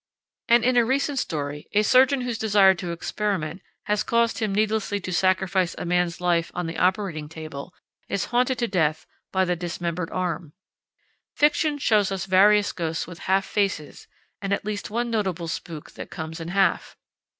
And in a recent story a surgeon whose desire to experiment has caused him needlessly to sacrifice a man's life on the operating table, is haunted to death by the dismembered arm. Fiction shows us various ghosts with half faces, and at least one notable spook that comes in half.